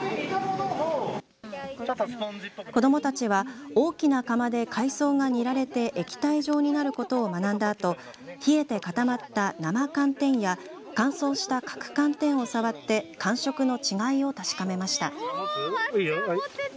子どもたちは大きな釜で海藻が煮られて液体状になることを学んだあと冷えて固まった生寒天や乾燥した角寒天を触って感触の違いを確かめました。